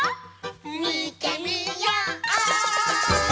みてみよう！